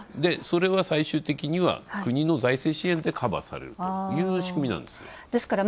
それは最終的には国の財政支援でカバーされるという仕組みなんです。